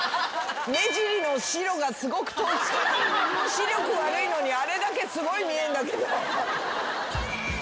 視力悪いのにあれだけすごい見えんだけど。